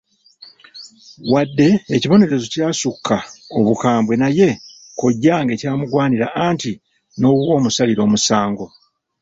Wadde ekibonerezo kyasukka obukambwe naye kojjange kyamugwanira anti n'owuwo omusalira omusango.